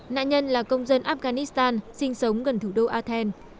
nạn nhân là công dân afghanistan sinh sống gần thủ đô athen